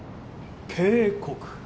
警告。